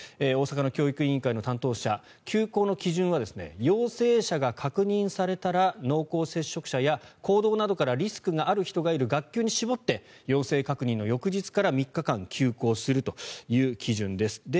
大阪の教育委員会の担当者休校の基準は陽性者が確認されたら濃厚接触者や行動などからリスクがある人がいる学級に絞って陽性確認の翌日から３日間休校するという基準です。